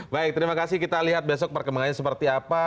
baik terima kasih kita lihat besok perkembangannya seperti apa